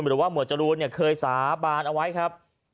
หมวดจรูนเคยสาบานเอาไว้ครับ